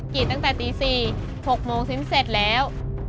ตี๔น๖นซิมเสร็จแล้ว